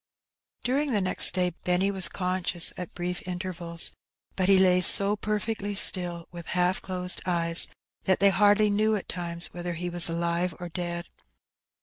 '' During the next day Benny was conscious at brief inter vals, but he lay so perfectly still, with half closed eyes, that they hardly knew at times whether he was alive or dead.